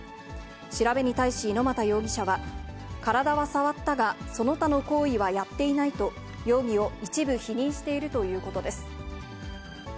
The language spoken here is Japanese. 調べに対し、猪股容疑者は、体は触ったが、その他の行為はやっていないと、容疑を一部否認しているということです。